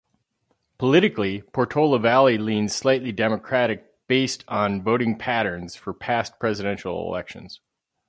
Politically, Portola Valley leans slightly democratic based on voting patterns for past presidential elections.